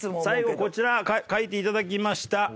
最後こちら書いていただきました。